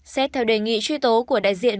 xét theo đề nghị truy tố của đại diện